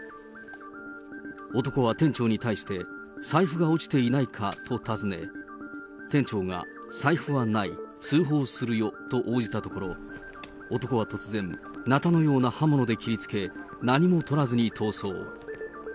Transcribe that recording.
男は店長に対して、財布が落ちていないかと訪ね、店長が、財布はない、通報するよと応じたところ男は突然、なたのような刃物で切りつけ、何もとらずに逃走。